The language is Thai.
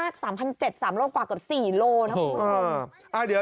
แข็งแรงมาก๓๗๐๐๓รกกว่ากับ๔โลนะครับพี่ผู้ชม